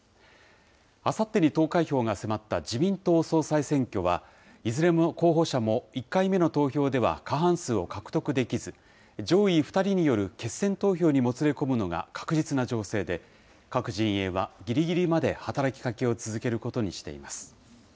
あさってに投開票が迫った自民党総裁選挙は、いずれの候補者も１回目の投票では過半数を獲得できず、上位２人による決選投票にもつれ込むのが確実な情勢で、各陣営はぎりぎりまで働きかけを続けることにしています。